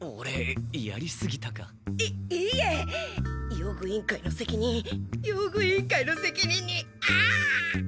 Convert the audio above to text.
用具委員会の責任用具委員会の責任にああ！